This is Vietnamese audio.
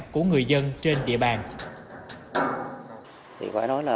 của người dân trên địa bàn